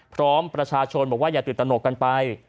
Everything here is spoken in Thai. พร้อมประชาชนบอกว่าอย่าตื่นตนกกันไป